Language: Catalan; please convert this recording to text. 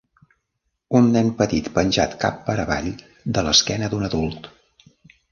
Un nen petit penjat cap per avall de l'esquena d'un adult.